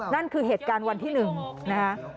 นั่นคือเหตุการณ์วันที่๑นะคะ